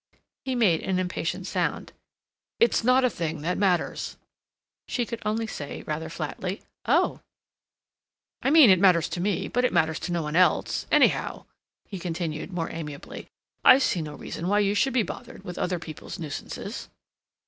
He made an impatient sound. "It's not a thing that matters." She could only say rather flatly, "Oh!" "I mean it matters to me, but it matters to no one else. Anyhow," he continued, more amiably, "I see no reason why you should be bothered with other people's nuisances."